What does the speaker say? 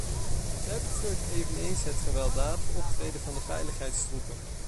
Zij betreurt eveneens het gewelddadig optreden van de veiligheidstroepen.